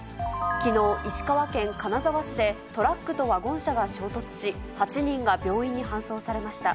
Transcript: きのう、石川県金沢市でトラックとワゴン車が衝突し、８人が病院に搬送されました。